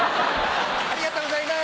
ありがとうございます！